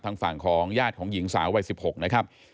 ทางฝั่งของญาติของหญิงสาววัย๑๖นะครับ